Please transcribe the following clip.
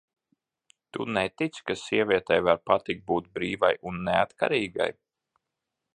Tu netici, ka sievietei var patikt būt brīvai un neatkarīgai?